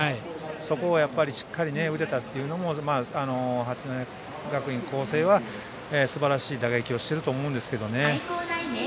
そこをしっかり打てたというのも八戸学院光星はすばらしい打撃をしていると思うんですけどね。